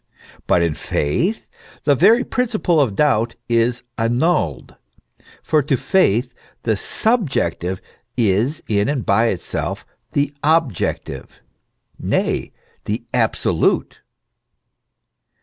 But in faith the very principle of doubt is annulled; for to faith the subjective is in and by itself the objective nay, the absolute.